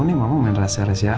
tau nih mama main rasa rasanya